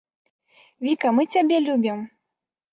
Віка мы цябе любім!